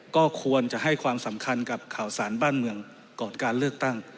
ก็ควรจะให้ความสำคัญกับข่าวสารบ้านเมืองก่อนการเลือกตั้ง